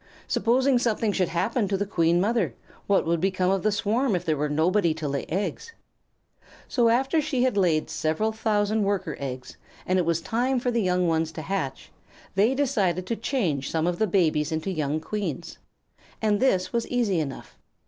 Supposing something should happen to the Queen Mother, what would become of the swarm if there were nobody to lay eggs? So after she had laid several thousand Worker eggs, and it was time for the young ones to hatch, they decided to change some of the babies into young Queens. And this was easy enough.